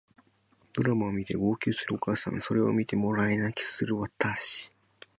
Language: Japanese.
ドラマを見て号泣するお母さんそれを見てもらい泣きする私